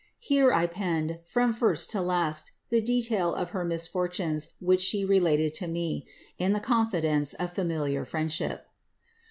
* Here I penned, from first to last, the detail of her misfortunes which she related to me, in the confidence of femiliar fiiendship.''